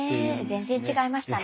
全然違いました。